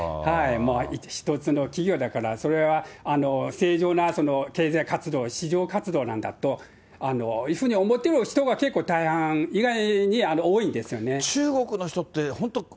一つの企業だから、それは正常な経済活動、市場活動なんだというふうに思ってる人が結構大半、中国の人って、本当、そうですね。